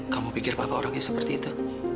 kamu pikir apa orangnya seperti itu